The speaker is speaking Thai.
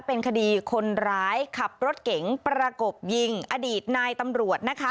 เป็นคดีคนร้ายขับรถเก๋งประกบยิงอดีตนายตำรวจนะคะ